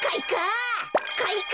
かいか！